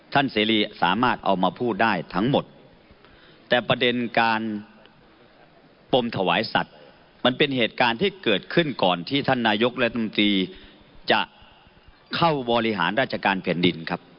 เสรีสามารถเอามาพูดได้ทั้งหมดแต่ประเด็นการปมถวายสัตว์มันเป็นเหตุการณ์ที่เกิดขึ้นก่อนที่ท่านนายกรัฐมนตรีจะเข้าบริหารราชการแผ่นดินครับ